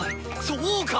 そうか！